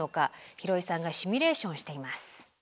廣井さんがシミュレーションしています。